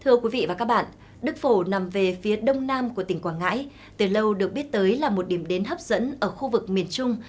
thưa quý vị và các bạn đức phổ nằm về phía đông nam của tỉnh quảng ngãi từ lâu được biết tới là một điểm đến hấp dẫn ở khu vực miền trung